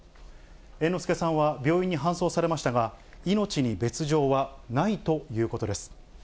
猿之助さんは病院に搬送されましたが、命に別状はないということです。